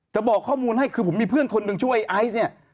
บอกข้อมูลให้คือผมมีเพื่อนคนหนึ่งช่วยไอซ์เนี่ย